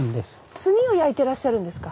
炭を焼いてらっしゃるんですか？